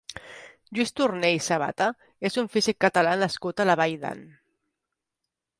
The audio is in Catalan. Lluís Torner i Sabata és un físic Català nascut a La Valldan.